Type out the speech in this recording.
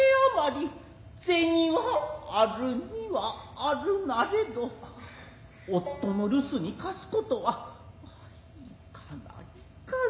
銭はあるにはあるなれど夫の留守に貸すことはいかないかな。